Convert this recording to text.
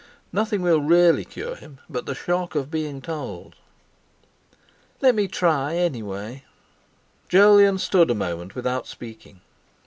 Nothing will really cure him but the shock of being told." "Let me try, anyway." Jolyon stood a moment without speaking.